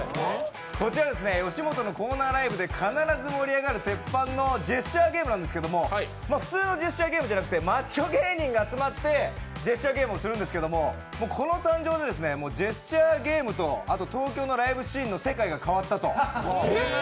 こちらよしもとのコーナーライブで必ず盛り上がるテッパンのジェスチャーゲームなんですけど普通のジェスチャーゲームではなくてマッチョ芸人が集まってジェスチャーゲームをするんですけど、この誕生でジェスチャーゲームと東京のライブシーンが変わったと。